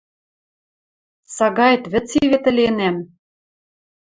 Сагаэт вӹц и вет ӹленӓм